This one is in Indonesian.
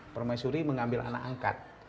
permaisuri mengambil anak anak